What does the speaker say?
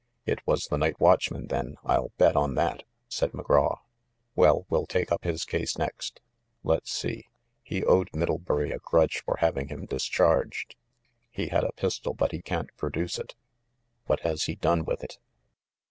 "It was the night watchman then, I'll bet on that!" said McGraw. "Well, we'll take up his case next. Let's see, he owed Middlebury a grudge for having him discharged. He had a pistol; but he can't produce it. What has he done with it?"